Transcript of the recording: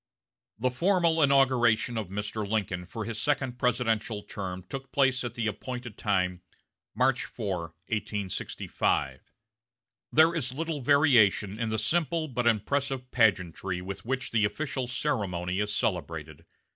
The formal inauguration of Mr. Lincoln for his second presidential term took place at the appointed time, March 4, 1865. There is little variation in the simple but impressive pageantry with which the official ceremony is celebrated.